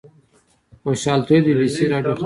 خوشحال طیب د بي بي سي راډیو خبریال و.